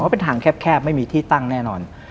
เป็นทางแคบไม่มีที่ตั้งแน่นอน